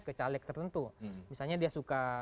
ke caleg tertentu misalnya dia suka